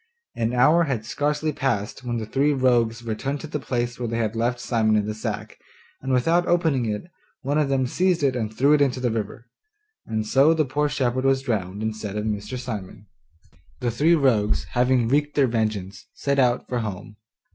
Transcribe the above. An hour had scarcely passed when the three rogues returned to the place where they had left Simon in the sack, and without opening it, one of them seized it and threw it into the river. And so the poor shepherd was drowned instead of Mr. Simon! The three rogues, having wreaked their vengeance, set out, for home.